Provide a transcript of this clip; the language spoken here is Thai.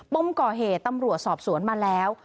มก่อเหตุตำรวจสอบสวนมาแล้ว